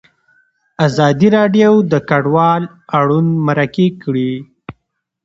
ازادي راډیو د کډوال اړوند مرکې کړي.